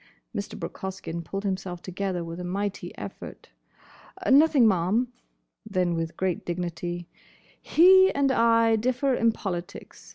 Mr. Brooke Hoskyn pulled himself together with a mighty effort. "Nothing, ma'am." Then with great dignity, "He and I differ in politics.